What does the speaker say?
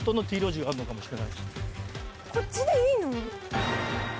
こっちでいいの？